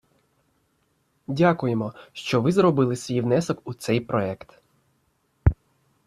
Дякуємо, що ви зробили свій внесок у цей проект.